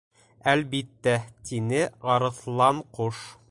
—Әлбиттә, —тине Арыҫланҡош.